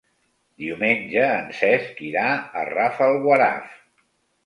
Diumenge en Cesc irà a Rafelguaraf.